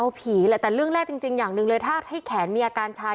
เอาผีแหละแต่เรื่องแรกจริงอย่างหนึ่งเลยถ้าให้แขนมีอาการชาย